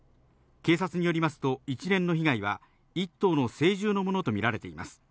警察によりますと一連の被害は１頭の成獣のものとみられています。